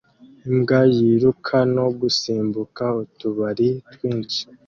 Imbwa yiruka no gusimbuka utubari twinshi